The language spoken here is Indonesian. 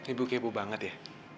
ibu kepo banget ya